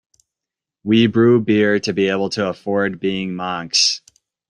We brew beer to be able to afford being monks.